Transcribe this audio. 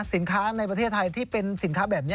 สินค้าในประเทศไทยที่เป็นสินค้าแบบนี้